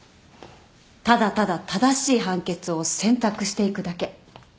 ただただ正しい判決を選択していくだけ。